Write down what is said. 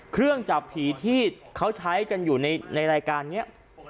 เครื่องจับผีที่เขาใช้กันอยู่ในรายการนี้